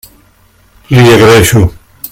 L'hi agraeixo.